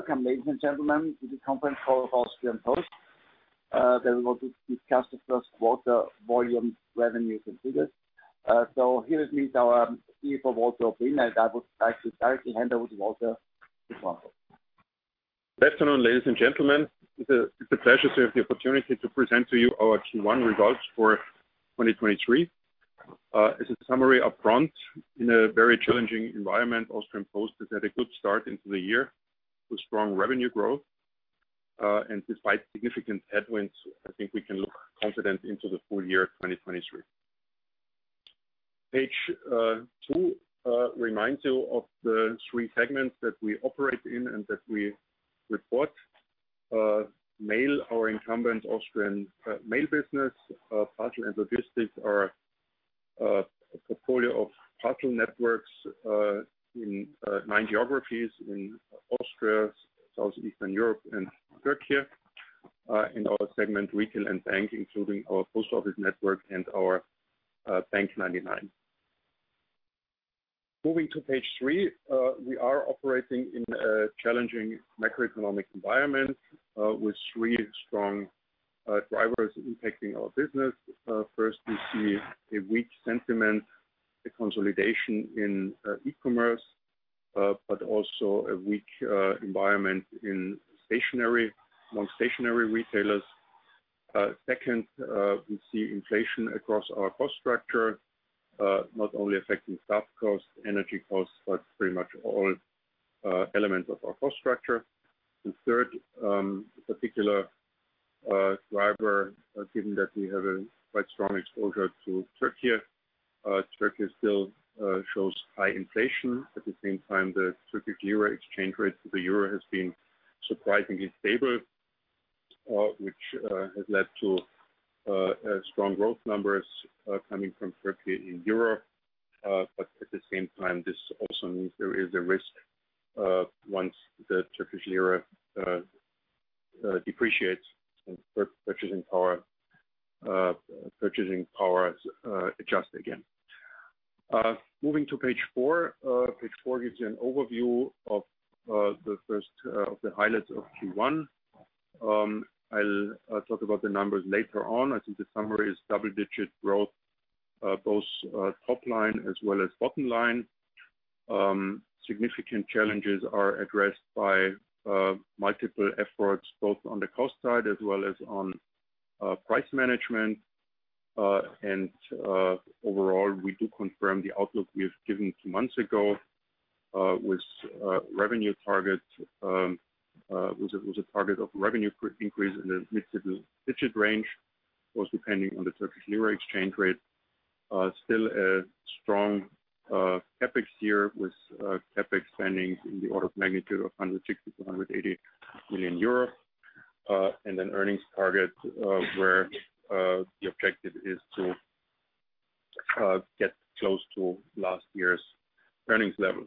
Welcome, ladies and gentlemen, to the conference call of Austrian Post that will discuss the first quarter volume revenue completed. Here with me is our CEO, Walter Oblin, and I would like to directly hand over to Walter. Good afternoon, ladies and gentlemen. It's a pleasure to have the opportunity to present to you our Q1 Results for 2023. As a summary upfront, in a very challenging environment, Austrian Post has had a good start into the year with strong revenue growth. Despite significant headwinds, I think we can look confident into the full year of 2023. Page two reminds you of the three segments that we operate in and that we report. Mail, our incumbent Austrian mail business, Parcel and Logistics, our portfolio of parcel networks in nine geographies in Austria, Southeastern Europe and Turkey. In our segment Retail and Bank, including our post office network and our bank99. Moving to page three, we are operating in a challenging macroeconomic environment with three strong drivers impacting our business. First, we see a weak sentiment, a consolidation in e-commerce, but also a weak environment in stationary, non-stationary retailers. Second, we see inflation across our cost structure, not only affecting staff costs, energy costs, but pretty much all elements of our cost structure. The third particular driver, given that we have a quite strong exposure to Turkey. Turkey still shows high inflation. At the same time, the Turkish lira exchange rate to the euro has been surprisingly stable, which has led to a strong growth numbers coming from Turkey in Europe. At the same time, this also means there is a risk once the Turkish lira depreciates and purchasing power adjusts again. Moving to page four. Page four gives you an overview of the first of the highlights of Q1. I'll talk about the numbers later on. I think the summary is double-digit growth, both top line as well as bottom line. Significant challenges are addressed by multiple efforts, both on the cost side as well as on price management. Overall, we do confirm the outlook we have given two months ago with a revenue target with a target of revenue increase in the mid-single digit range, was depending on the Turkish lira exchange rate. Still a strong CapEx year with CapEx spending in the order of magnitude of 160 million-180 million euros. Earnings target where the objective is to get close to last year's earnings level.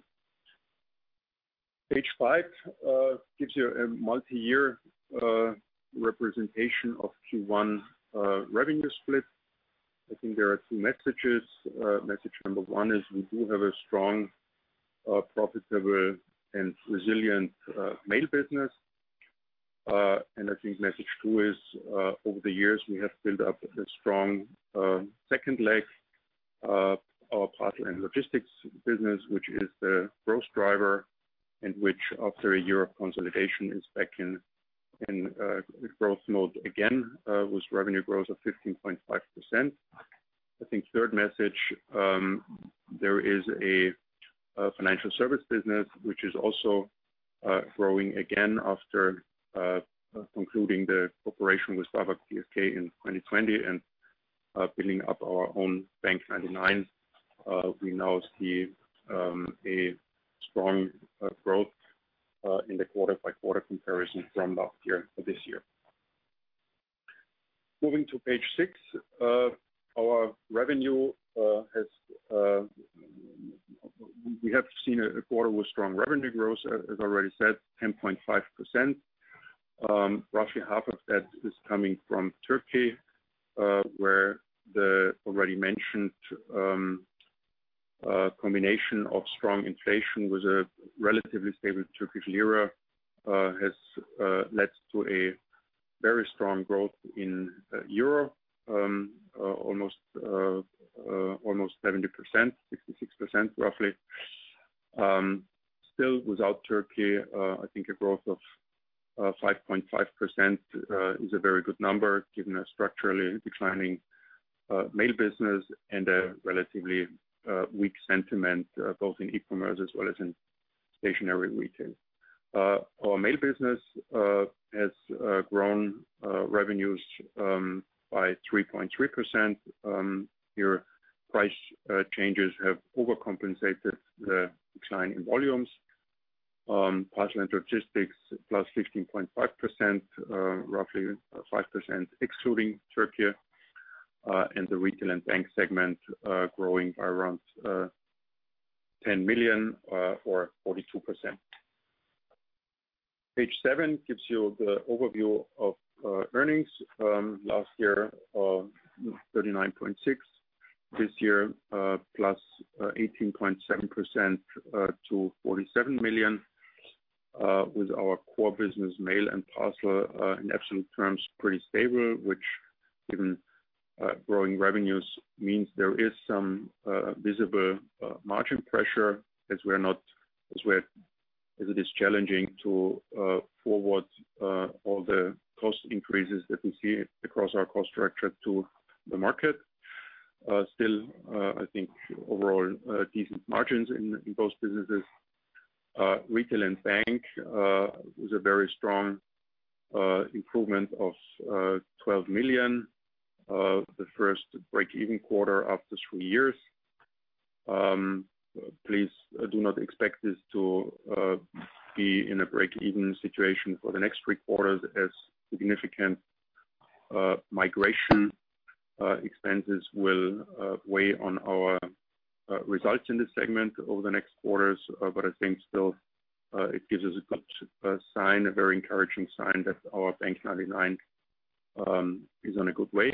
Page five gives you a multiyear representation of Q1 revenue split. I think there are two messages. Message number one is we do have a strong, profitable and resilient Mail business. I think message two is over the years, we have built up a strong second leg, our Parcel & Logistics business, which is the growth driver and which after a year of consolidation is back in growth mode again, with revenue growth of 15.5%. I think third message, there is a financial service business which is also growing again after concluding the cooperation with BAWAG P.S.K. in 2020 and building up our own bank99. We now see a strong growth in the quarter-by-quarter comparison from last year to this year. Moving to page six. Our revenue has, we have seen a quarter with strong revenue growth, as I already said, 10.5%. Roughly half of that is coming from Turkey, where the already mentioned combination of strong inflation with a relatively stable Turkish lira has led to a very strong growth in EUR, almost 70%, 66%, roughly. Still without Turkey, I think a growth of 5.5% is a very good number, given a structurally declining Mail business and a relatively weak sentiment both in e-commerce as well as in stationary retail. Our Mail business has grown revenues by 3.3%. Here price changes have overcompensated the decline in volumes. Parcel & Logistics +16.5%, roughly 5% excluding Turkey. The Retail & Bank segment growing by around 10 million or 42%. Page seven gives you the overview of earnings last year of 39.6 million. This year, plus 18.7% to 47 million, with our core business Mail and Parcel in absolute terms, pretty stable, which given growing revenues means there is some visible margin pressure as it is challenging to forward all the cost increases that we see across our cost structure to the market. Still, I think overall decent margins in those businesses. Retail and Bank was a very strong improvement of 12 million, the first break-even quarter after three years. Please do not expect this to be in a break-even situation for the next three quarters as significant migration expenses will weigh on our results in this segment over the next quarters. I think still, it gives us a good sign, a very encouraging sign that our bank99 is on a good way.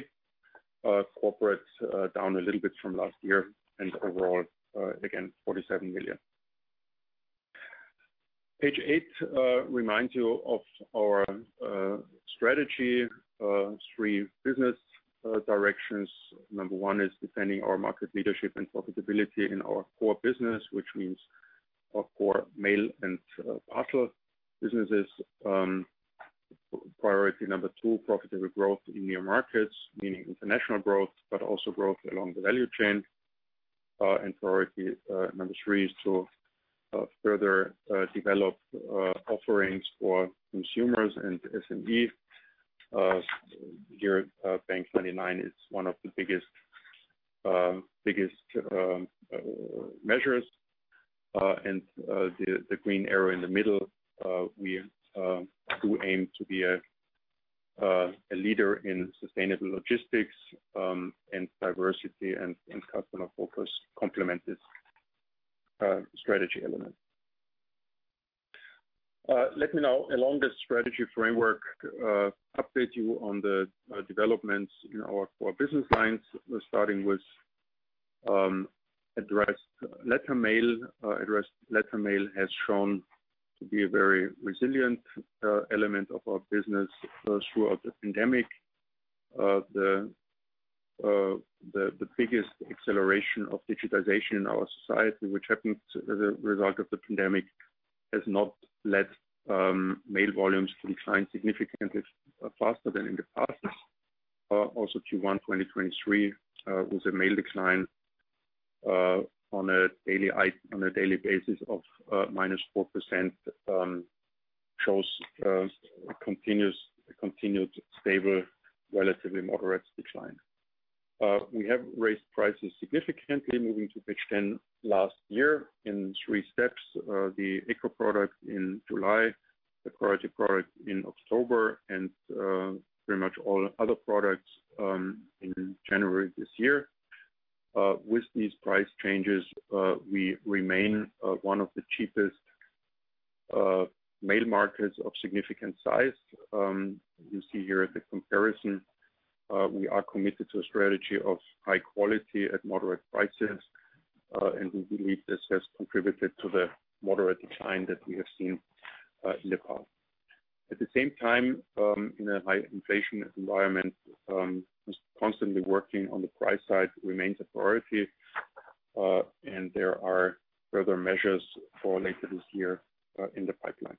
Corporate, down a little bit from last year and overall, again, 47 million. Page eight reminds you of our strategy, three business directions. Number one is defending our market leadership and profitability in our core business, which means our core mail and parcel businesses. Priority number two, profitable growth in new markets, meaning international growth, but also growth along the value chain. Priority number three is to further develop offerings for consumers and SME. Here, bank99 is one of the biggest measures. The green arrow in the middle, we do aim to be a leader in sustainable logistics, and diversity and customer focus complement this strategy element. Let me now along this strategy framework, update you on the developments in our four business lines, starting with addressed letter mail. Addressed letter mail has shown to be a very resilient element of our business throughout the pandemic. The biggest acceleration of digitization in our society, which happened as a result of the pandemic, has not led mail volumes to decline significantly faster than in the past. Also Q1 2023 was a mail decline on a daily basis of -4%, shows a continued stable, relatively moderate decline. We have raised prices significantly, moving to page 10 last year in three steps. The Eco product in July, the Priority product in October, and pretty much all other products in January this year. With these price changes, we remain one of the cheapest mail markets of significant size. You see here the comparison. We are committed to a strategy of high quality at moderate prices, and we believe this has contributed to the moderate decline that we have seen in the past. At the same time, in a high inflation environment, just constantly working on the price side remains a priority, and there are further measures for later this year in the pipeline.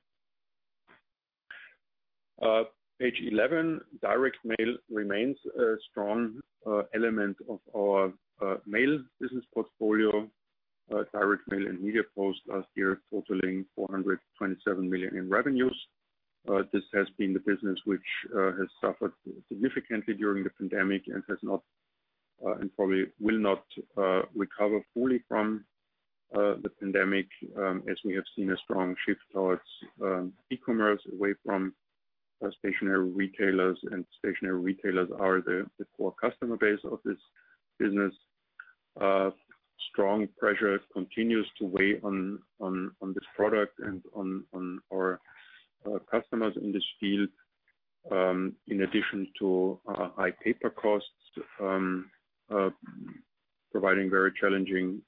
Page 11. Direct mail remains a strong element of our Mail business portfolio. Direct mail and Media post last year totaling 427 million in revenues. This has been the business which has suffered significantly during the pandemic and has not, and probably will not, recover fully from the pandemic, as we have seen a strong shift towards e-commerce away from stationary retailers, and stationary retailers are the core customer base of this business. Strong pressure continues to weigh on this product and on our customers in this field, in addition to high paper costs, providing very challenging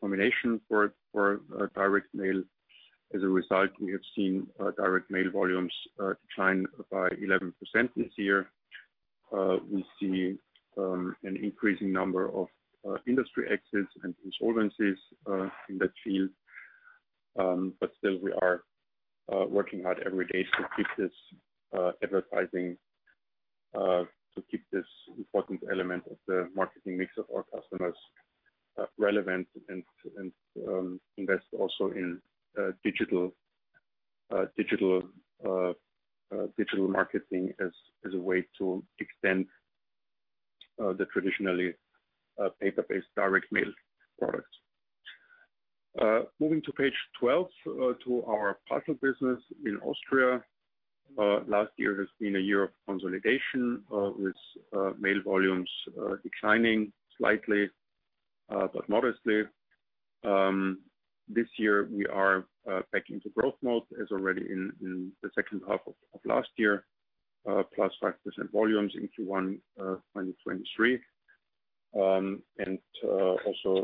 combination for direct mail. As a result, we have seen direct mail volumes decline by 11% this year. We see an increasing number of industry exits and insolvencies in that field. Still we are working hard every day to keep this advertising, to keep this important element of the marketing mix of our customers relevant and invest also in digital marketing as a way to extend the traditionally paper-based direct mail products. Moving to page 12, to our parcel business in Austria. Last year has been a year of consolidation, with mail volumes declining slightly. Modestly, this year we are back into growth mode as already in the second half of last year, +5% volumes in Q1 2023. Also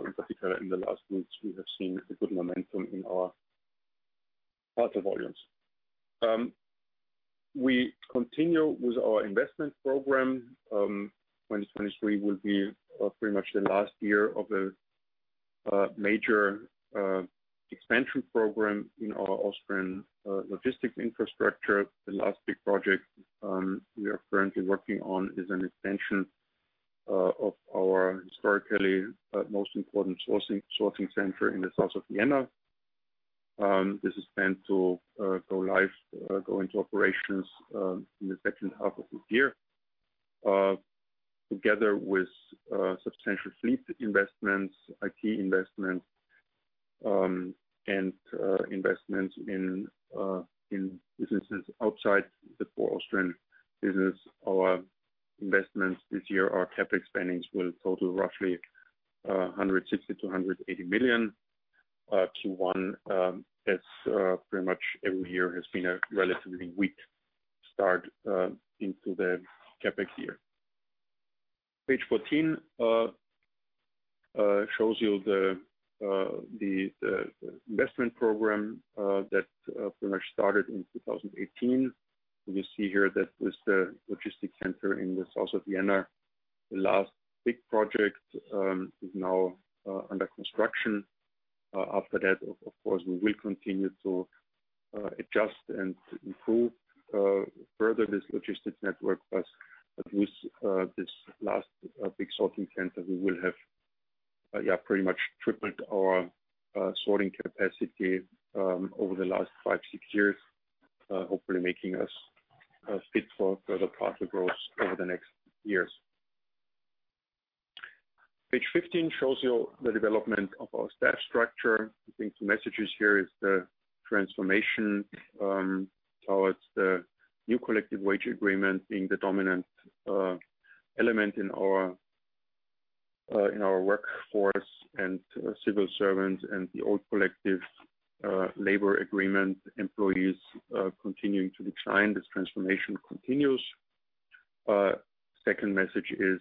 in particular in the last weeks, we have seen a good momentum in our parcel volumes. We continue with our investment program. 2023 will be pretty much the last year of a major expansion program in our Austrian logistics infrastructure. The last big project we are currently working on is an extension of our historically most important sourcing center in the south of Vienna. This is planned to go live, go into operations, in the second half of this year. Together with substantial fleet investments, IT investments, and investments in businesses outside the core Austrian business. Our investments this year, our CapEx spendings will total roughly 160 million-180 million, Q1, as pretty much every year has been a relatively weak start into the CapEx year. Page 14 shows you the investment program that pretty much started in 2018. You see here that with the logistics center in the south of Vienna, the last big project is now under construction. After that, of course, we will continue to adjust and improve further this logistics network. With this last big sorting center, we will have, yeah, pretty much tripled our sorting capacity over the last five, six years, hopefully making us fit for further parcel growth over the next years. Page 15 shows you the development of our staff structure. I think the messages here is the transformation towards the new collective wage agreement being the dominant element in our in our workforce and civil servants and the old collective labor agreement employees continuing to decline. This transformation continues. Second message is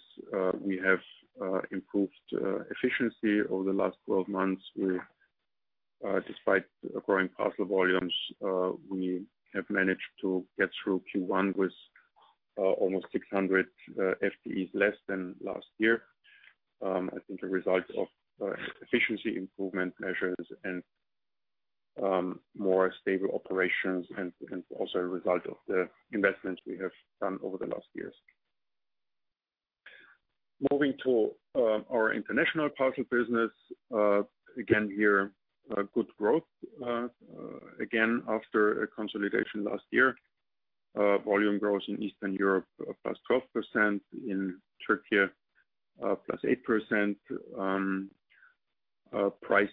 we have improved efficiency over the last 12 months with despite growing parcel volumes, we have managed to get through Q1 with almost 600 FTEs less than last year. I think a result of efficiency improvement measures and more stable operations and also a result of the investments we have done over the last years. Moving to our international parcel business. Again, here, a good growth again, after a consolidation last year. Volume growth in Eastern Europe plus 12%, in Türkiye plus 8%. Price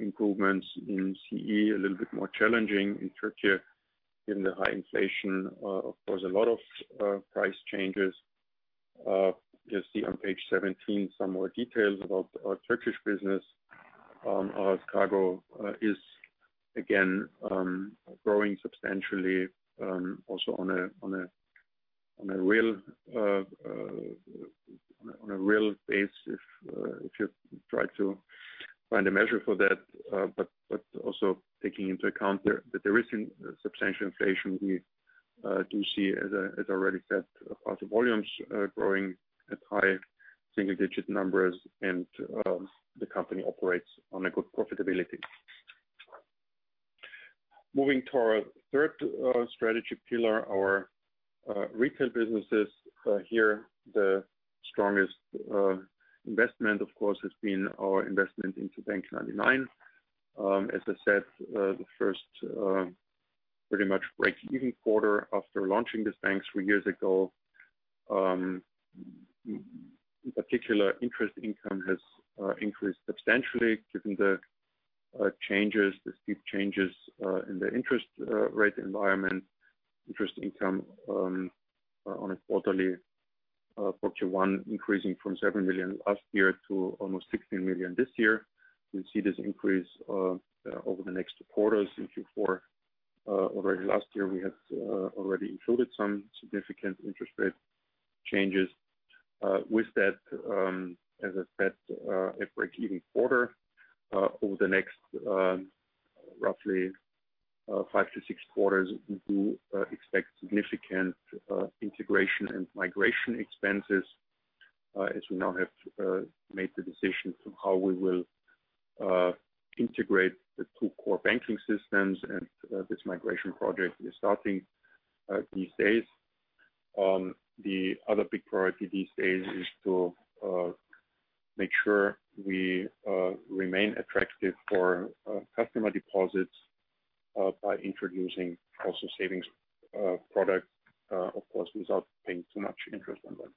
improvements in CE a little bit more challenging in Türkiye given the high inflation. Of course, a lot of price changes. You'll see on page 17 some more details about our Turkish business. Our cargo is again growing substantially, also on a real base if you try to find a measure for that. Also taking into account there, that there is in-substantial inflation. We do see, as already said, parcel volumes growing at high single-digit numbers and the company operates on a good profitability. Moving to our third strategy pillar, our retail businesses. Here, the strongest investment of course has been our investment into bank99. As I said, the first pretty much break-even quarter after launching this bank three years ago. In particular interest income has increased substantially given the changes, the steep changes, in the interest rate environment. Interest income, on a quarterly, for Q1 increasing from 7 million last year to almost 16 million this year. We'll see this increase over the next quarters in Q4. Already last year, we have already included some significant interest rate changes. With that, as I said, a break-even quarter. Over the next, roughly, five to six quarters, we do expect significant integration and migration expenses, as we now have made the decision to how we will integrate the two core banking systems. This migration project is starting these days. The other big priority these days is to make sure we remain attractive for customer deposits by introducing also savings products, of course, without paying too much interest on them.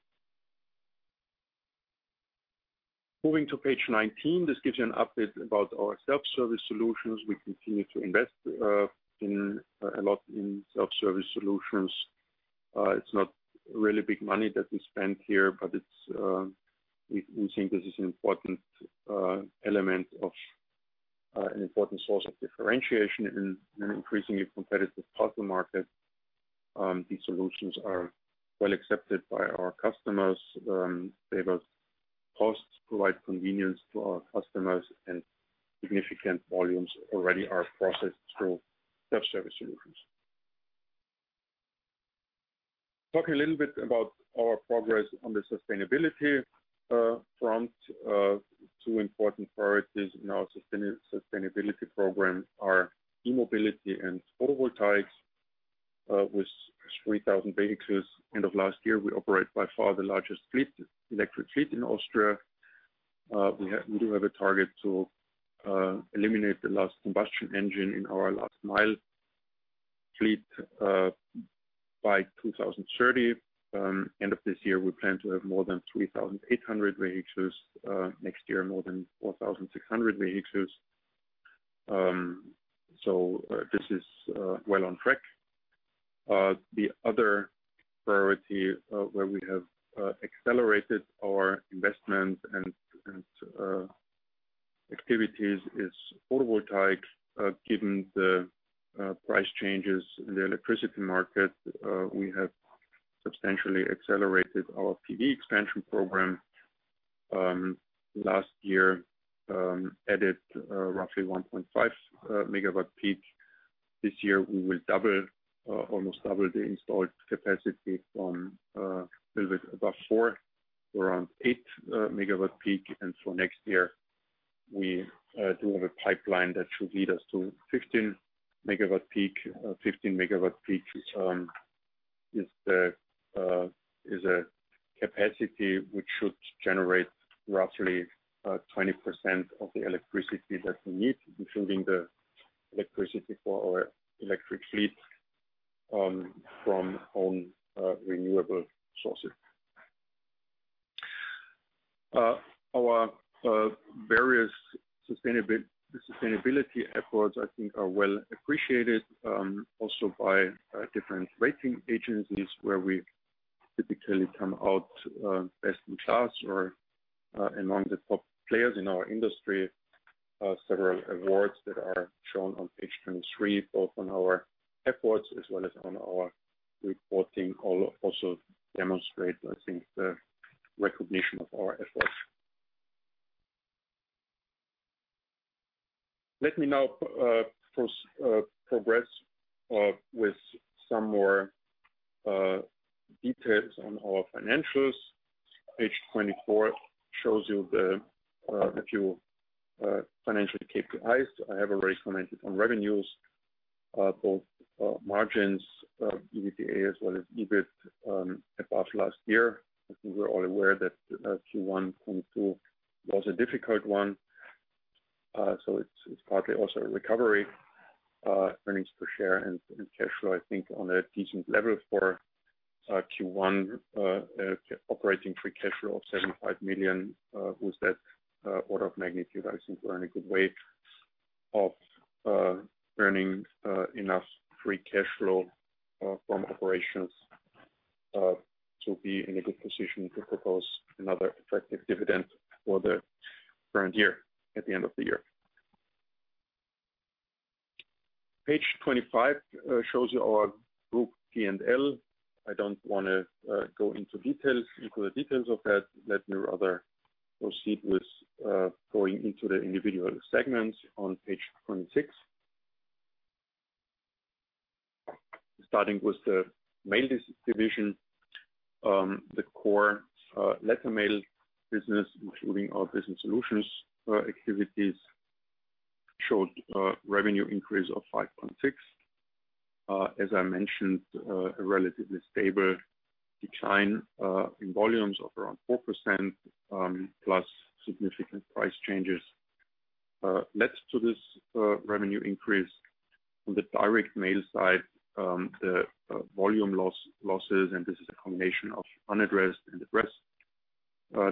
Moving to page 19. This gives you an update about our self-service solutions. We continue to invest in a lot in self-service solutions. It's not really big money that we spend here, but it's we think this is an important element of an important source of differentiation in an increasingly competitive parcel market. These solutions are well accepted by our customers. They provide convenience to our customers, and significant volumes already are processed through self-service solutions. Talk a little bit about our progress on the sustainability front. Two important priorities in our sustainability program are E-mobility and photovoltaics. With 3,000 vehicles end of last year, we operate by far the largest fleet, electric fleet in Austria. We do have a target to eliminate the last combustion engine in our last mile fleet by 2030. End of this year, we plan to have more than 3,800 vehicles, next year more than 4,600 vehicles. This is well on track. The other priority, where we have accelerated our investment and activities is photovoltaic. Given the price changes in the electricity market, we have substantially accelerated our PV expansion program. Last year, added roughly 1.5 MW peak. This year, we will double, almost double the installed capacity from a little bit above four to around eight MW peak. For next year, we do have a pipeline that should lead us to 15 MW peak. 15 MW peak is a capacity which should generate roughly 20% of the electricity that we need, including the electricity for our electric fleet, from own renewable sources. Our various sustainability efforts, I think are well appreciated, also by different rating agencies, where we typically come out best in class or among the top players in our industry. Several awards that are shown on page 23, both on our efforts as well as on our reporting, also demonstrate, I think, the recognition of our efforts. Let me now progress with some more details on our financials. Page 24 shows you a few financial KPIs. I have already commented on revenues. Both margins, EBITDA as well as EBIT, above last year. I think we're all aware that Q1 2022 was a difficult one, so it's partly also a recovery. Earnings per share and cash flow, I think, on a decent level for Q1. Operating free cash flow of 75 million, with that order of magnitude, I think we're in a good way of earning enough free cash flow from operations to be in a good position to propose another effective dividend for the current year at the end of the year. Page 25 shows you our group P&L. I don't wanna go into details, equal details of that. Let me rather proceed with going into the individual segments on page 26. Starting with the Mail division, the core letter mail business, including our Business Solutions activities, showed a revenue increase of 5.6%. As I mentioned, a relatively stable decline in volumes of around 4%, plus significant price changes, led to this revenue increase. On the direct mail side, the volume losses, and this is a combination of unaddressed and addressed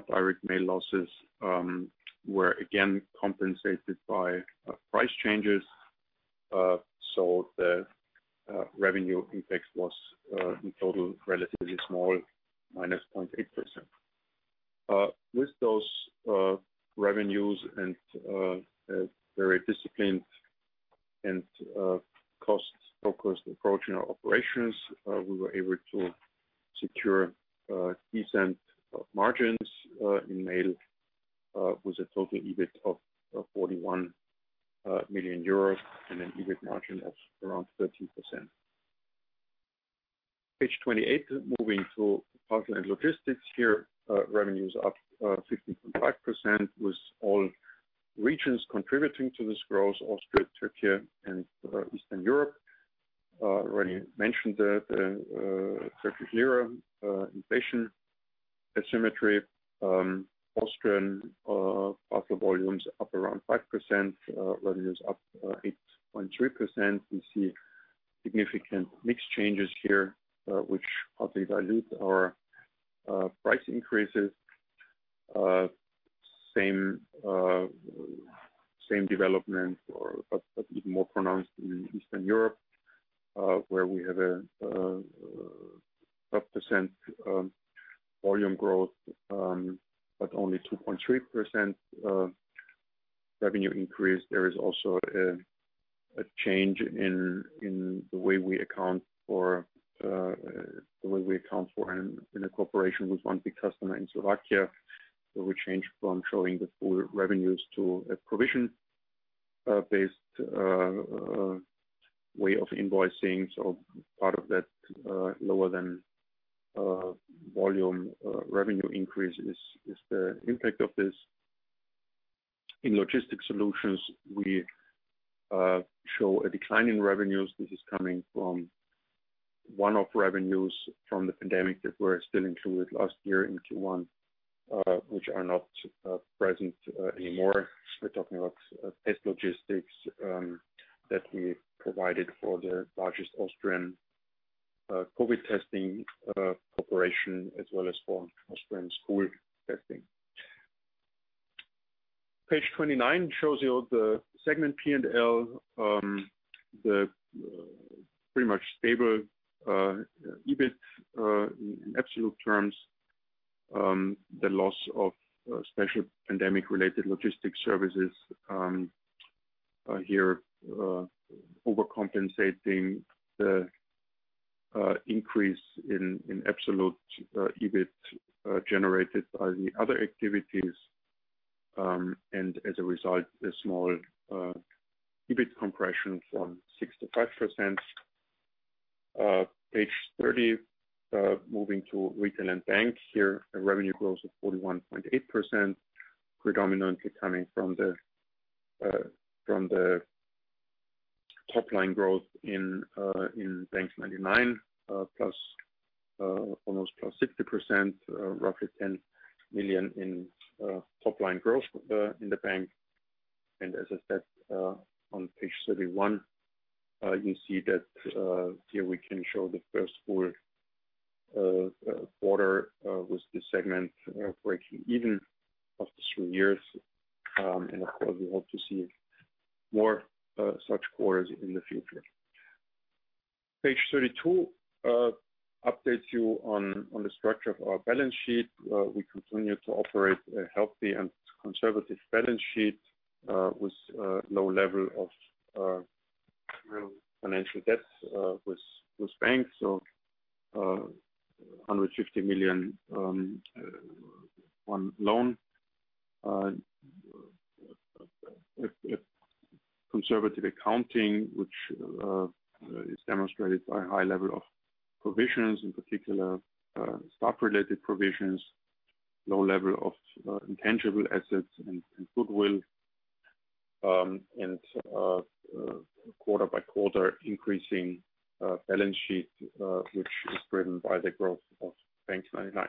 direct mail losses, were again compensated by price changes. The revenue impact was in total relatively small, minus 0.8%. With those revenues and a very disciplined and cost-focused approach in our operations, we were able to secure decent margins in Mail, with a total EBIT of 41 million euros and an EBIT margin of around 13%. Page 28, moving to Parcel & Logistics. Here, revenue's up 15.5%, with all regions contributing to this growth, Austria, Turkey, and Eastern Europe. Already mentioned the Turkish lira inflation asymmetry. Austrian parcel volumes up around 5%, revenues up 8.3%. We see significant mix changes here, which partly dilute our price increases. Same development or, but even more pronounced in Eastern Europe, where we have a 5% volume growth, but only 2.3% revenue increase. There is also a change in the way we account for in a cooperation with one big customer in Slovakia, where we change from showing the full revenues to a provision based way of invoicing. Part of that lower than volume revenue increase is the impact of this. In logistic solutions, we show a decline in revenues. This is coming from one-off revenues from the pandemic that were still included last year in Q1, which are not present anymore. We're talking about test logistics that we provided for the largest Austrian COVID testing corporation, as well as for Austrian school testing. Page 29 shows you the segment P&L. The pretty much stable EBIT in absolute terms. The loss of special pandemic-related logistic services here overcompensating the increase in absolute EBIT generated by the other activities. As a result, a small EBIT compression from 6%-5%. Page 30, moving to Retail & Bank. Here, a revenue growth of 41.8% predominantly coming from the from the top line growth in Bank99, plus almost +60%, roughly 10 million in top line growth in the bank. As I said, on page 31, you see that here we can show the first full quarter with the segment breaking even after three years. Of course, we hope to see more such quarters in the future. Page 32 updates you on the structure of our balance sheet. We continue to operate a healthy and conservative balance sheet with a low level of real financial debt with banks, 150 million one loan. A conservative accounting, which is demonstrated by a high level of provisions, in particular, stock-related provisions, low level of intangible assets and goodwill. Quarter-by-quarter increasing balance sheet, which is driven by the growth of Bank99.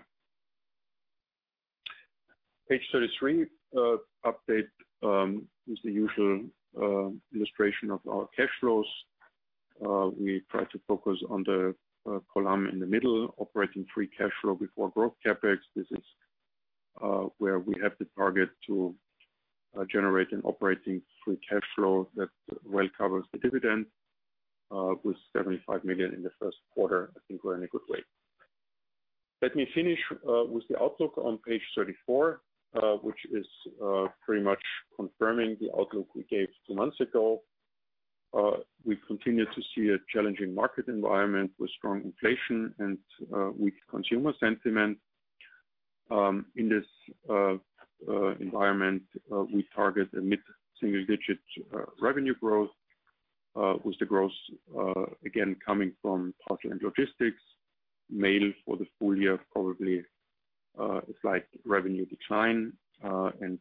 Page 33 update is the usual illustration of our cash flows. We try to focus on the column in the middle, operating free cash flow before growth CapEx. This is where we have the target to generate an operating free cash flow that well covers the dividend with 75 million in the first quarter. I think we're in a good way. Let me finish with the outlook on page 34, which is pretty much confirming the outlook we gave two months ago. We continue to see a challenging market environment with strong inflation and weak consumer sentiment. In this environment, we target a mid-single-digit revenue growth with the growth again coming from Parcel & Logistics. Mail for the full year, probably, a slight revenue decline. On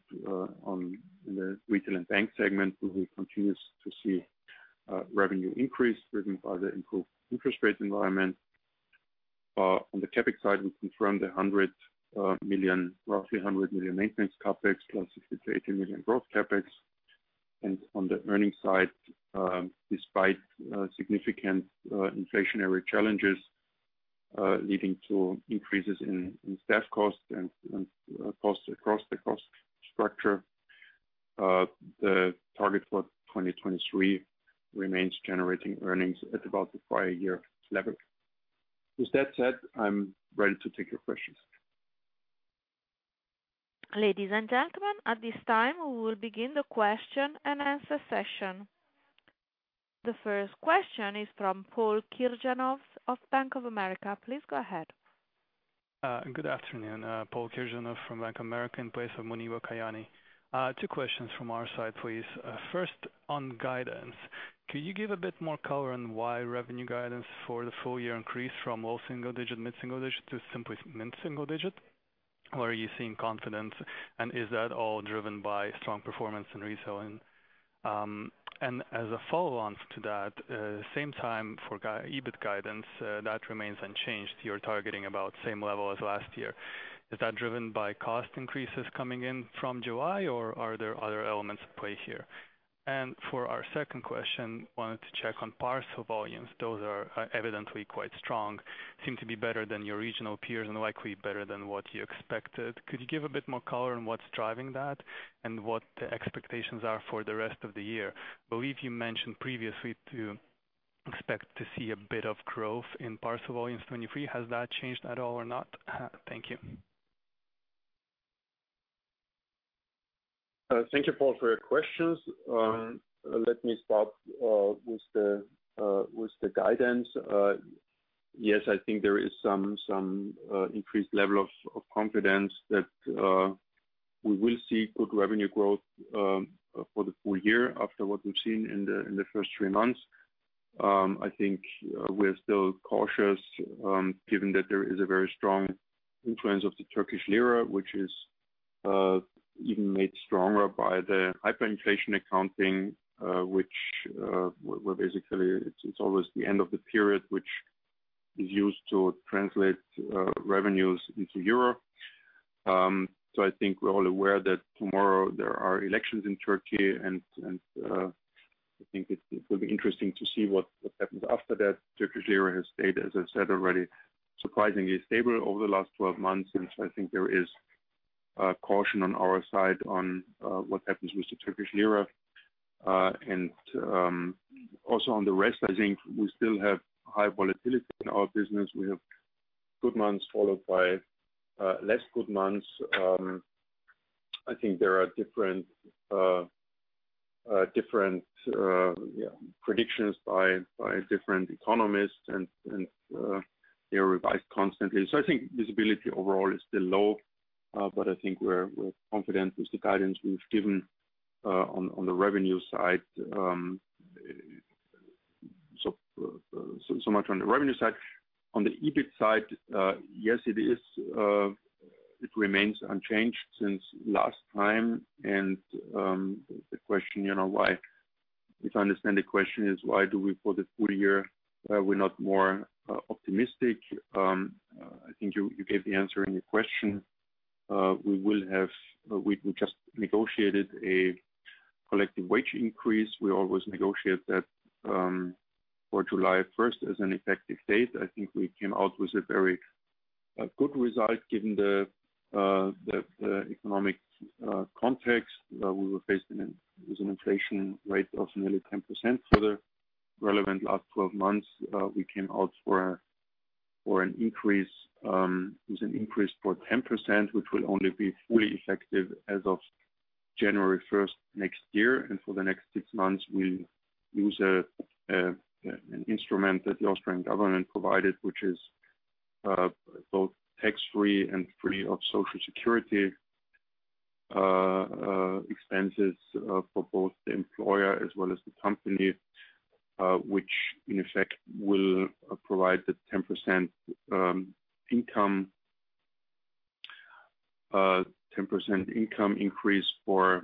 the Retail & Bank segment, we will continue to see revenue increase driven by the improved interest rate environment. On the CapEx side, we confirm the 100 million, roughly 100 million maintenance CapEx, plus 60-80 million growth CapEx. On the earnings side, despite significant inflationary challenges, leading to increases in staff costs and costs across the cost structure, the target for 2023 remains generating earnings at about the prior year level. With that said, I'm ready to take your questions. Ladies and gentlemen, at this time, we will begin the question-and-answer session. The first question is from Paul Kirjanovs of Bank of America. Please go ahead. Good afternoon. Paul Kirjanovs from Bank of America in place of Muneeba Kayani. Two questions from our side, please. First, on guidance, could you give a bit more color on why revenue guidance for the full year increased from low single-digit, mid-single-digit to simply mid-single-digit? Where are you seeing confidence, and is that all driven by strong performance in reselling? As a follow-on to that, same time for EBIT guidance, that remains unchanged. You're targeting about same level as last year. Is that driven by cost increases coming in from July, or are there other elements at play here? For our second question, wanted to check on parcel volumes. Those are, evidently quite strong. Seem to be better than your regional peers and likely better than what you expected. Could you give a bit more color on what's driving that and what the expectations are for the rest of the year? Believe you mentioned previously to expect to see a bit of growth in parcel volumes 2023. Has that changed at all or not? Thank you. Thank you Paul for your questions. Let me start with the guidance. Yes, I think there is some increased level of confidence that we will see good revenue growth for the full year after what we've seen in the first three months. I think we're still cautious given that there is a very strong influence of the Turkish lira, which is even made stronger by the hyperinflation accounting, which well, basically it's almost the end of the period which is used to translate revenues into euro. I think we're all aware that tomorrow there are elections in Turkey and I think it will be interesting to see what happens after that. Turkish lira has stayed, as I said already, surprisingly stable over the last 12 months. I think there is caution on our side on what happens with the Turkish lira. Also on the rest, I think we still have high volatility in our business. We have good months followed by less good months. I think there are different different predictions by by different economists and they revise constantly. I think visibility overall is still low, but I think we're confident with the guidance we've given on the revenue side. So much on the revenue side. On the EBIT side, yes, it remains unchanged since last time. The question, you know, if I understand the question is why do we, for the full year, we're not more optimistic. I think you gave the answer in your question. We just negotiated a collective wage increase. We always negotiate that for July 1st as an effective date. I think we came out with a very good result given the economic context. We were faced with an inflation rate of nearly 10% for the relevant last 12 months. We came out for an increase, it was an increase for 10%, which will only be fully effective as of January 1st next year. For the next six months we use an instrument that the Austrian government provided, which is both tax-free and free of social security expenses for both the employer as well as the company, which in effect will provide the 10% income, 10% income increase for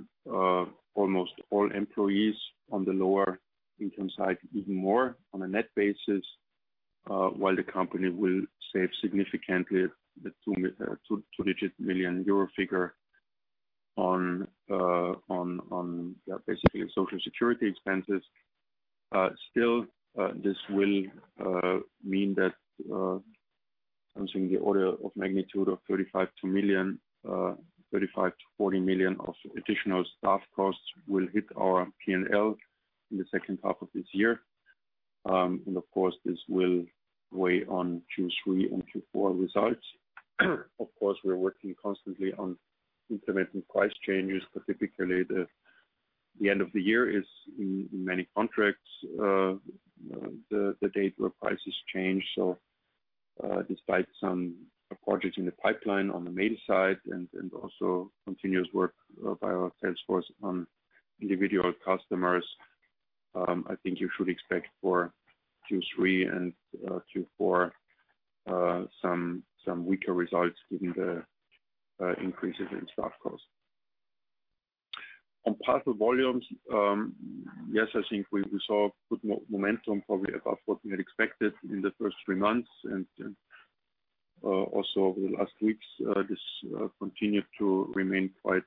almost all employees on the lower income side, even more on a net basis, while the company will save significantly the 2-digit million EUR figure on basically social security expenses. Still, this will mean that I'm seeing the order of magnitude of 35 million-40 million of additional staff costs will hit our PNL in the second half of this year. Of course, this will weigh on Q3 and Q4 results. Of course, we're working constantly on implementing price changes. Specifically, the end of the year is in many contracts, the date where prices change. Despite some projects in the pipeline on the MADA side and also continuous work by our sales force on individual customers, I think you should expect for Q3 and Q4 some weaker results given the increases in staff costs. On parcel volumes, yes, I think we saw good momentum, probably above what we had expected in the first three months. Also over the last weeks, this continued to remain quite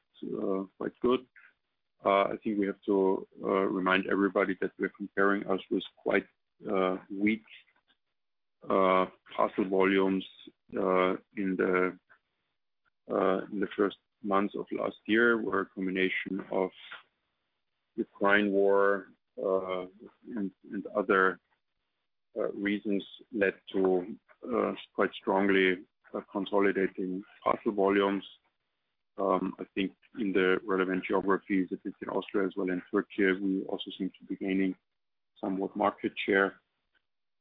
good. I think we have to remind everybody that we're comparing us with quite weak parcel volumes in the in the first months of last year, were a combination of the Ukraine War, and other reasons led to quite strongly consolidating parcel volumes. I think in the relevant geographies, a bit in Austria as well in Turkey, we also seem to be gaining somewhat market share.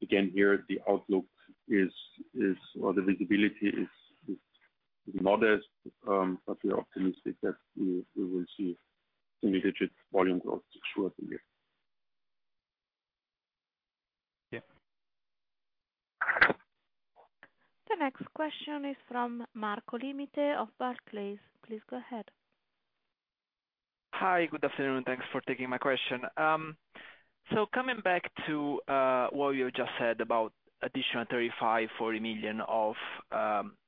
Again, here the outlook is, or the visibility is modest, but we are optimistic that we will see some digit volume growth throughout the year. Yeah. The next question is from Marco Limite of Barclays. Please go ahead. Hi. Good afternoon. Thanks for taking my question. Coming back to what you just said about additional 35 million-40 million of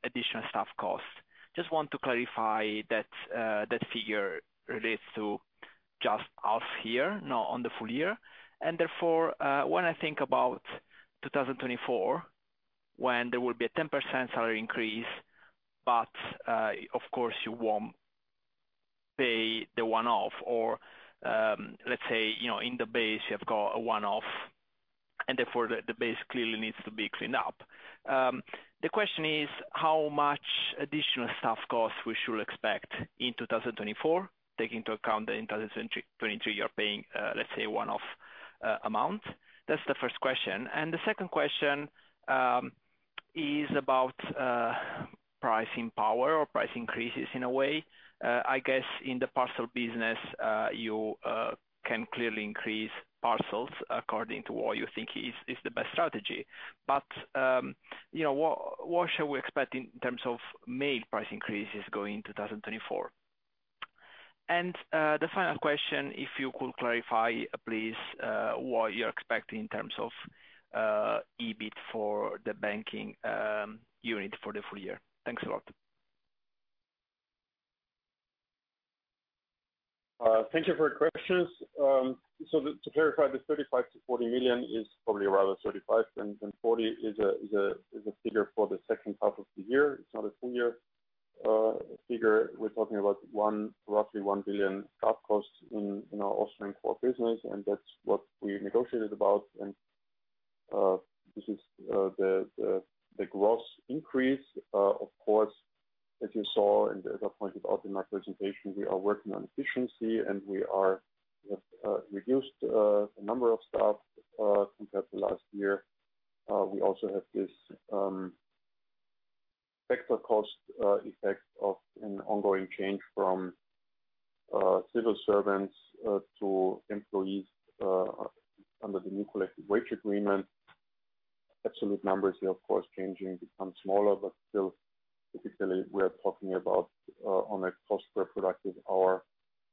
additional staff costs. Just want to clarify that that figure relates to just us here, not on the full year. When I think about 2024, when there will be a 10% salary increase, of course, you won't pay the one-off or, let's say, you know, in the base you have got a one-off and the base clearly needs to be cleaned up. The question is how much additional staff costs we should expect in 2024, take into account that in 2023 you're paying, let's say, one-off amount. That's the first question. The second question is about pricing power or price increases in a way. I guess in the parcel business, you can clearly increase parcels according to what you think is the best strategy. you know, what shall we expect in terms of mail price increases going in 2024? The final question, if you could clarify, please, what you're expecting in terms of EBIT for the banking unit for the full year. Thanks a lot. Thank you for your questions. To clarify, the 35 million-40 million is probably rather 35 million than 40 million, is a figure for the second half of the year. It's not a full year figure. We're talking about roughly 1 billion staff costs in our Austrian core business, that's what we negotiated about. This is the gross increase. Of course, as you saw, as I pointed out in my presentation, we are working on efficiency, we have reduced the number of staff compared to last year. We also have this factor cost effect of an ongoing change from civil servants to employees under the new collective wage agreement. Absolute numbers here, of course, changing, become smaller, but still, typically, we are talking about on a cost per productive hour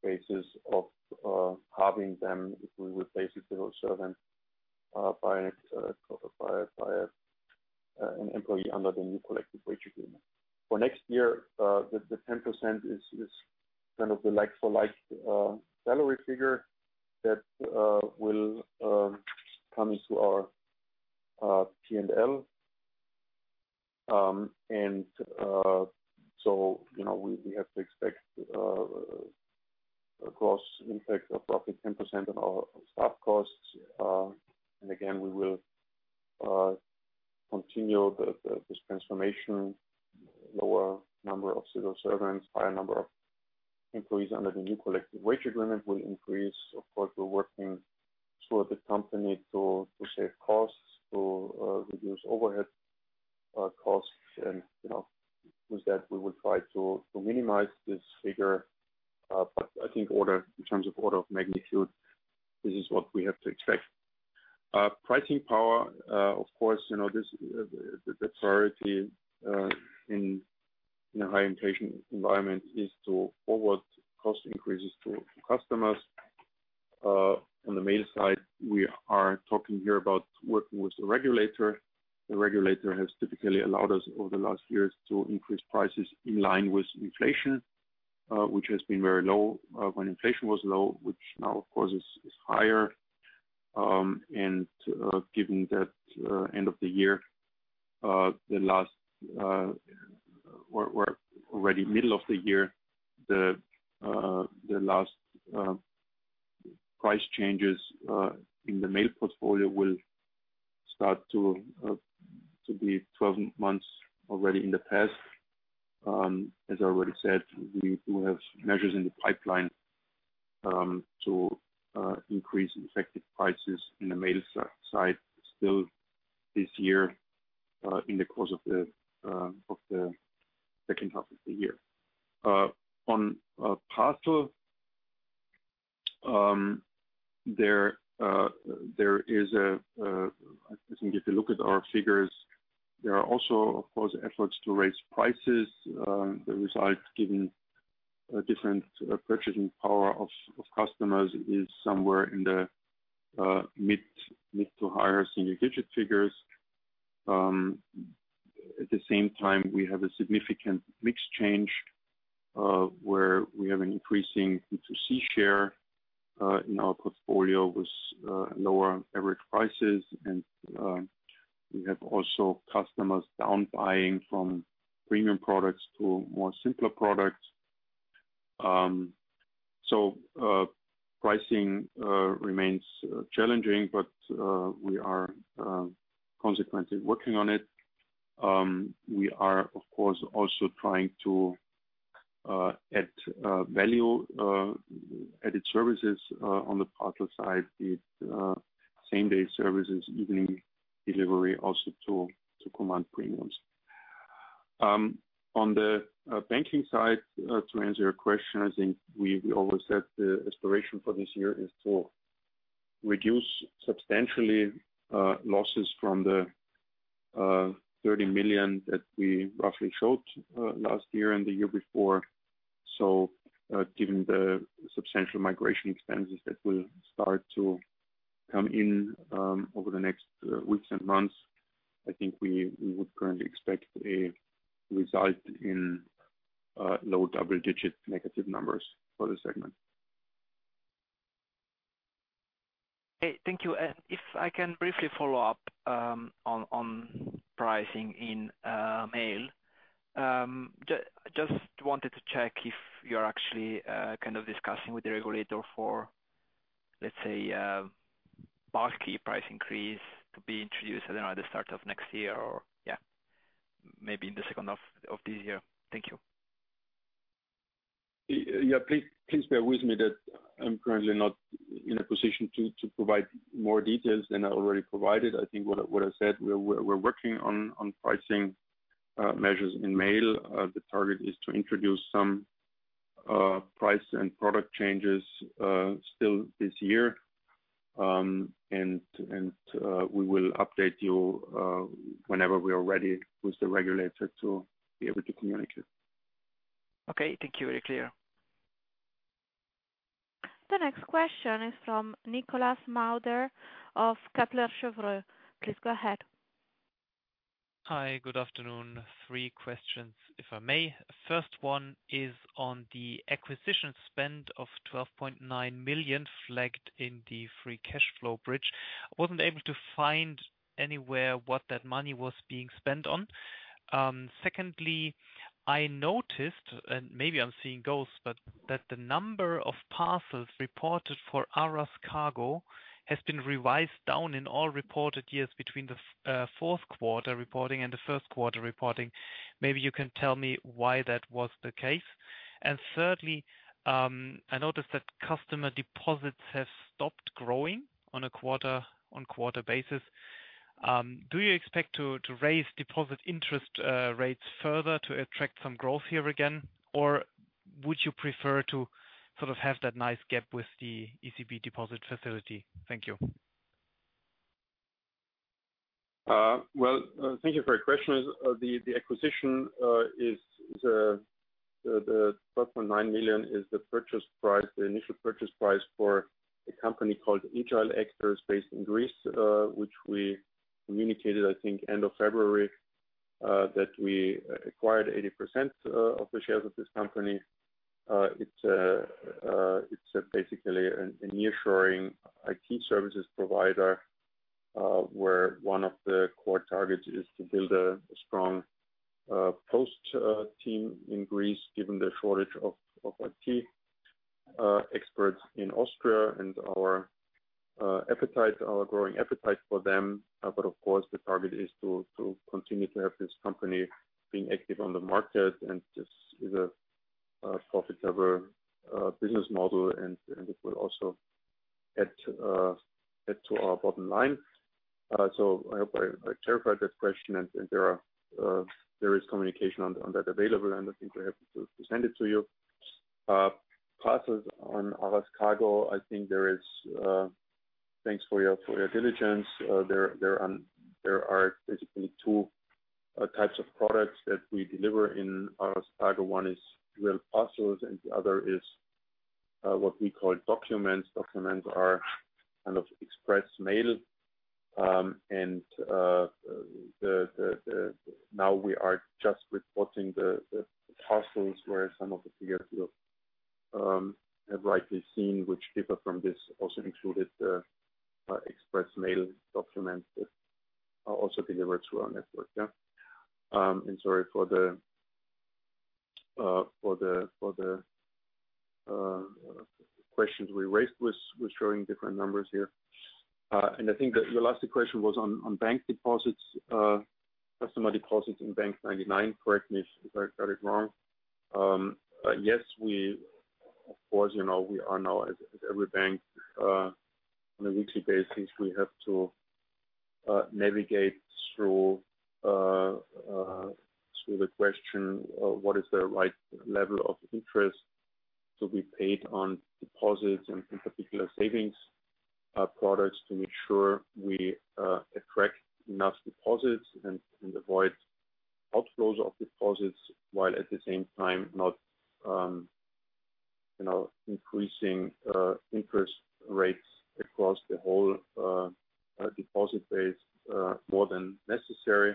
basis of halving them if we replace a civil servant by an employee under the new collective wage agreement. For next year, the 10% is kind of the like-for-like salary figure that will come into our P&L. You know, we have to expect a gross impact of roughly 10% on our staff costs. We will continue this transformation, lower number of civil servants by a number of employees under the new collective wage agreement will increase. Of course, we're working throughout the company to save costs, to reduce overhead costs. You know, with that, we will try to minimize this figure. I think in terms of order of magnitude, this is what we have to expect. Pricing power, of course, you know, this, the Priority, in a high inflation environment is to forward cost increases to customers. On the Mail side, we are talking here about working with the regulator. The regulator has typically allowed us over the last years to increase prices in line with inflation, which has been very low, when inflation was low, which now of course is higher. Given that, end of the year, the last, we're already middle of the year, the last, price changes, in the Mail portfolio will start to be 12 months already in the past. As I already said, we do have measures in the pipeline, to, increase effective prices in the Mail side still this year, in the course of the second half of the year. On, parcel, there is a. I think if you look at our figures, there are also, of course, efforts to raise prices. The result, given a different purchasing power of customers, is somewhere in the mid to higher single-digit figures. At the same time, we have a significant mix change, where we have an increasing B2C share in our portfolio with lower average prices. We have also customers down buying from premium products to more simpler products. Pricing remains challenging, but we are consequently working on it. We are of course also trying to add value added services on the parcel side, be it same-day services, evening delivery also to to command premiums. On the banking side, to answer your question, I think we always said the aspiration for this year is to reduce substantially losses from the 30 million that we roughly showed last year and the year before. Given the substantial migration expenses that will start to come in, over the next weeks and months, I think we would currently expect a result in low double digit negative numbers for the segment. Hey, thank you. If I can briefly follow up, on pricing in Mail. Just wanted to check if you're actually kind of discussing with the regulator for, let's say, bulky price increase to be introduced at the start of next year or, yeah, maybe in the second half of the year. Thank you. Yeah. Please bear with me that I'm currently not in a position to provide more details than I already provided. I think what I said, we're working on pricing measures in Mail. The target is to introduce some price and product changes still this year. We will update you whenever we are ready with the regulator to be able to communicate. Okay. Thank you. Very clear. The next question is from Nikolas Mauder of Kepler Cheuvreux. Please go ahead. Hi. Good afternoon. Three questions, if I may. First one is on the acquisition spend of 12.9 million flagged in the free cash flow bridge. I wasn't able to find anywhere what that money was being spent on. Secondly, I noticed, and maybe I'm seeing ghosts, but that the number of parcels reported for Aras Kargo has been revised down in all reported years between the fourth quarter reporting and the first quarter reporting. Maybe you can tell me why that was the case. Thirdly, I noticed that customer deposits have stopped growing on a quarter-on-quarter basis. Do you expect to raise deposit interest rates further to attract some growth here again? Or would you prefer to sort of have that nice gap with the ECB deposit facility? Thank you. Well, thank you for your questions. The acquisition is the 12.9 million is the purchase price, the initial purchase price for a company called Agile Actors based in Greece, which we communicated, I think end of February, that we acquired 80% of the shares of this company. It's basically a nearshoring IT services provider, where one of the core targets is to build a strong Post team in Greece, given the shortage of IT experts in Austria and our appetite, our growing appetite for them. Of course, the target is to continue to have this company being active on the market and just is a profitable business model, and it will also add to our bottom line. I hope I clarified that question. There is communication on that available, and I think we're happy to send it to you. Passes on Aras Kargo. I think there is thanks for your diligence. There are basically two types of products that we deliver in Aras Kargo. One is real parcels and the other is what we call documents. Documents are kind of express mail. Now we are just reporting the parcels where some of the figures you have rightly seen which differ from this also included express mail documents that are also delivered through our network. Yeah. Sorry for the questions we raised with showing different numbers here. I think that your last question was on bank deposits, customer deposits in bank99. Correct me if I got it wrong. Yes, we of course you know, we are now at every bank, on a weekly basis, we have to navigate through the question of what is the right level of interest to be paid on deposits and in particular savings products to make sure we attract enough deposits and avoid outflows of deposits while at the same time not, you know, increasing interest rates across the whole deposit base more than necessary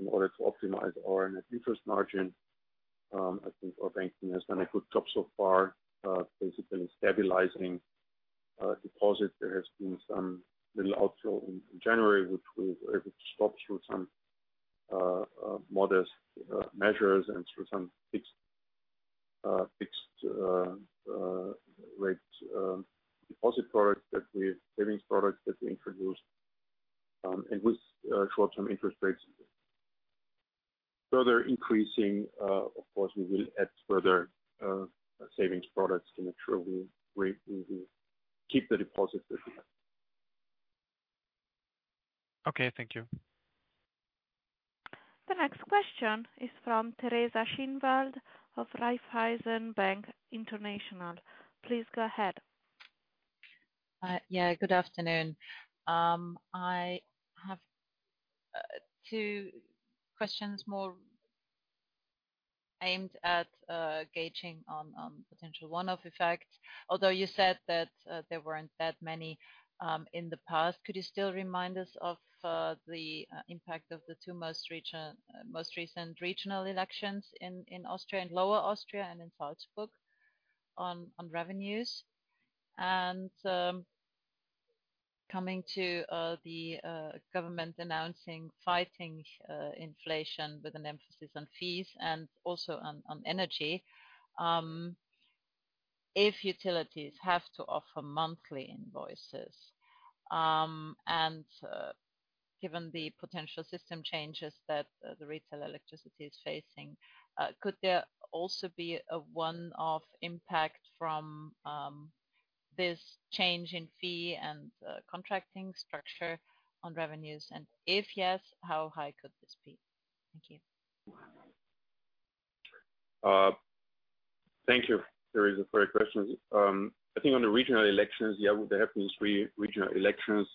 in order to optimize our net interest margin. I think our banking has done a good job so far, basically stabilizing deposit. There has been some little outflow in January, which we were able to stop through some modest measures and through some fixed rate savings products that we introduced. With short-term interest rates further increasing, of course, we will add further savings products to make sure we will keep the deposits that we have. Okay. Thank you. The next question is from Teresa Schinwald of Raiffeisen Bank International. Please go ahead. Yeah, good afternoon. I have two questions more aimed at gauging on potential one-off effects. Although you said that there weren't that many in the past, could you still remind us of the impact of the two most recent regional elections in Austria, in Lower Austria and in Salzburg on revenues? Coming to the government announcing fighting inflation with an emphasis on fees and also on energy. If utilities have to offer monthly invoices, and given the potential system changes that the retail electricity is facing, could there also be a one-off impact from this change in fee and contracting structure on revenues? If yes, how high could this be? Thank you. Thank you. There is a great question. I think on the regional elections, there have been 3 regional elections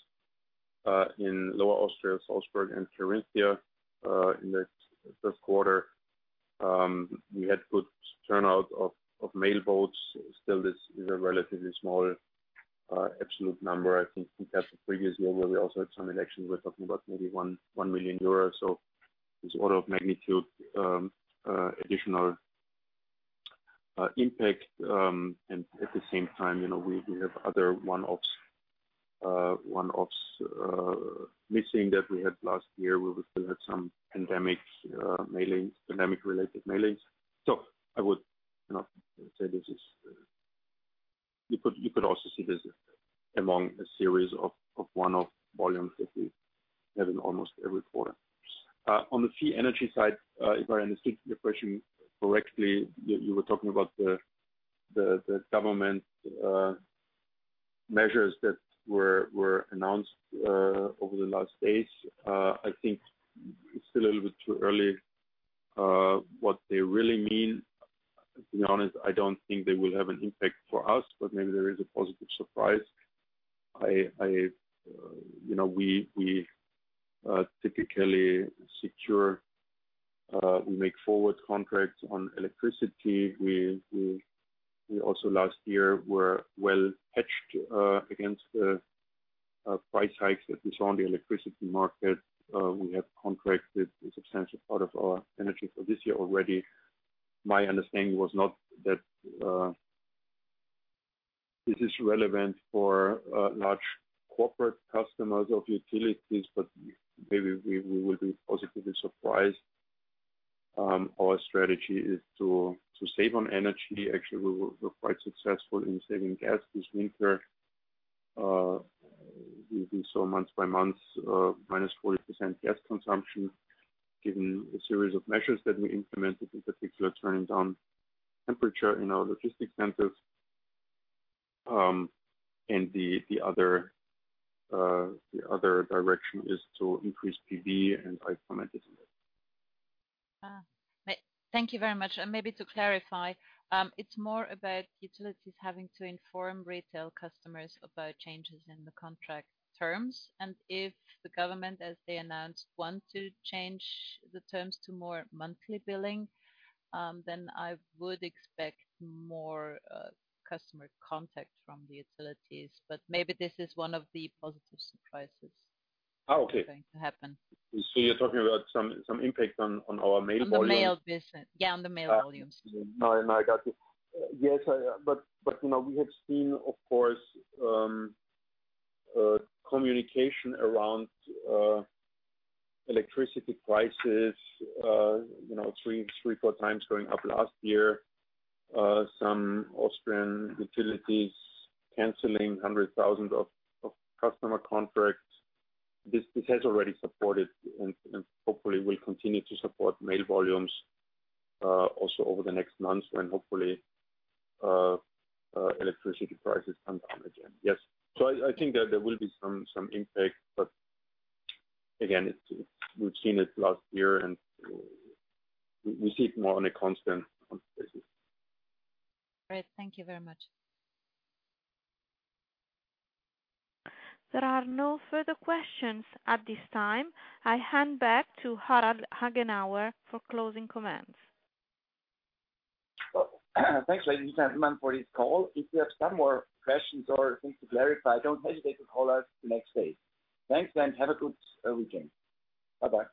in Lower Austria, Salzburg, and Carinthia in the third quarter. We had good turnout of mail votes. Still, this is a relatively small absolute number. I think that the previous year where we also had some elections, we're talking about maybe 1 million euros. This order of magnitude additional impact. At the same time, you know, we have other one-offs missing that we had last year, where we still had some pandemic mailings, pandemic-related mailings. I would, you know, say this is, you could also see this among a series of one-off volumes that we have in almost every quarter. On the fee energy side, if I understood your question correctly, you were talking about the government measures that were announced over the last days. I think it's a little bit too early what they really mean. To be honest, I don't think they will have an impact for us, but maybe there is a positive surprise. I, you know, we typically secure, we make forward contracts on electricity. We also last year were well hedged against the price hikes that we saw on the electricity market. We have contracted a substantial part of our energy for this year already. My understanding was not that this is relevant for large corporate customers of utilities, but maybe we will be positively surprised. Our strategy is to save on energy. Actually, we were quite successful in saving gas this winter. We saw month by month, minus 40% gas consumption, given a series of measures that we implemented, in particular, turning down temperature in our logistics centers. The other direction is to increase PV and implement it. Thank you very much. Maybe to clarify, it's more about utilities having to inform retail customers about changes in the contract terms. If the government, as they announced, want to change the terms to more monthly billing, then I would expect more customer contact from the utilities. Maybe this is one of the positive surprises. Oh, okay. going to happen. You're talking about some impact on our mail volumes? Yeah, on the Mail volumes. No, I got you. Yes, I, but, you know, we have seen, of course, communication around electricity prices, you know, three, four times going up last year. Some Austrian utilities canceling 100,000 of customer contracts. This has already supported and hopefully will continue to support mail volumes also over the next months when hopefully electricity prices come down again. Yes. I think that there will be some impact, but again, it's, we've seen it last year and we see it more on a constant basis. Great. Thank you very much. There are no further questions at this time. I hand back to Harald Hagenauer for closing comments. Well, thanks, ladies and gentlemen, for this call. If you have some more questions or things to clarify, don't hesitate to call us the next day. Thanks, have a good weekend. Bye-bye.